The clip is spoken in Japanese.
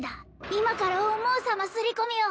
今から思うさますり込みを